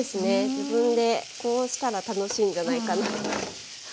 自分でこうしたら楽しいんじゃないかな。